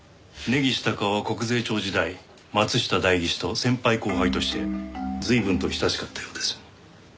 根岸隆雄は国税庁時代松下代議士と先輩後輩として随分と親しかったようです。